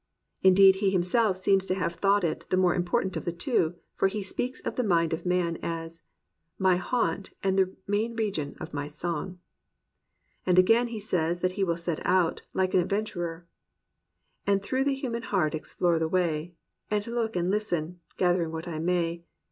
Indeed he himself seems to have thought it the more important of the two, for he speaks of the mind of man as "My haunt and the main region of my song"; And again he says that he will set out, like an ad venturer, "And through the human heart explore the way; And look and listen — ^gathering whence I may.